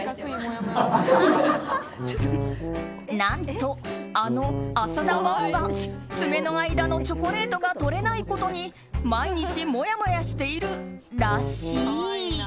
何と、あの浅田真央が爪の間のチョコレートが取れないことに毎日もやもやしているらしい。